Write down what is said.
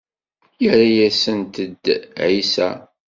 Yerra-asent-d ɛisa.